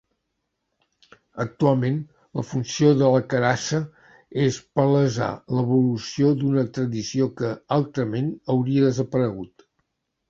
Actualment, la funció de la Carassa és palesar l’evolució d’una tradició que, altrament, hauria desaparegut.